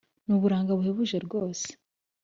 nuburanga buhebuje rwose